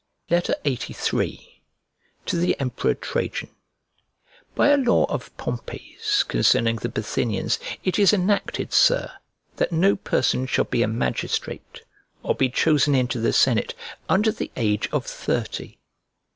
LXXXIII To THE EMPEROR TRAJAN BY a law of Pompey's concerning the Bithynians, it is enacted, Sir, that no person shall be a magistrate, or be chosen into the senate, under the age of thirty.